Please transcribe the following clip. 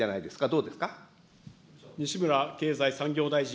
どうですか。